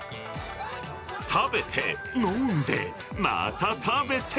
食べて、飲んで、また食べて。